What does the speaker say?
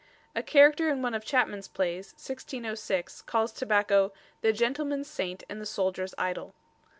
A character in one of Chapman's plays, 1606, calls tobacco "the gentleman's saint and the soldier's idol."